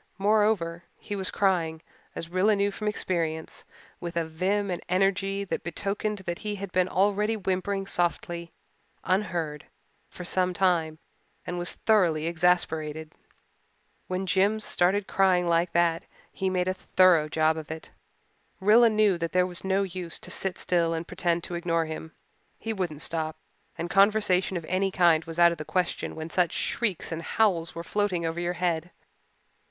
Moreover, he was crying, as Rilla knew from experience, with a vim and energy that betokened that he had been already whimpering softly unheard for some time and was thoroughly exasperated. When Jims started in crying like that he made a thorough job of it. Rilla knew that there was no use to sit still and pretend to ignore him. He wouldn't stop; and conversation of any kind was out of the question when such shrieks and howls were floating over your head.